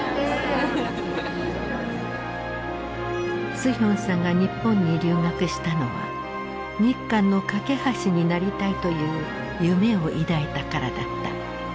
スヒョンさんが日本に留学したのは日韓の懸け橋になりたいという夢を抱いたからだった。